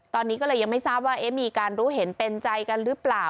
ตอนนี้ก็เลยยังไม่ทราบว่ามีการรู้เห็นเป็นใจกันหรือเปล่า